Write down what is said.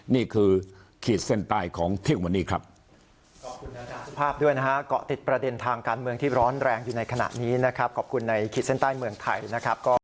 นี่คือขีดเส้นใต้ของเที่ยงวันนี้ครับ